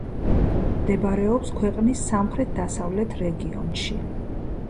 მდებარეობს ქვეყნის სამხრეთ-დასავლეთ რეგიონში.